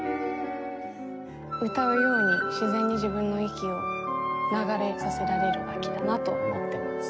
歌うように自然に自分の息を流れさせられる楽器だなと思ってます。